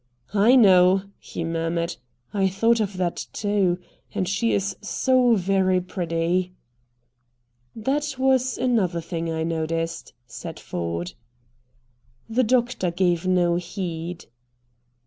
"I know," he murmured. "I thought of that, too. And she is so very pretty." "That was another thing I noticed," said Ford. The doctor gave no heed.